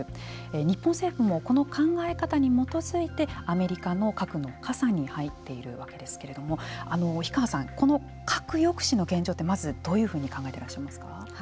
日本政府もこの考え方に基づいてアメリカの核の傘に入っているわけですけれども樋川さん、核抑止の現状ってまずどういうふうに考えてらっしゃいますか。